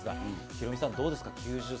ヒロミさん、どうですか？